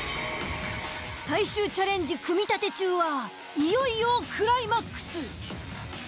最終チャレンジ組立中はいよいよクライマックス。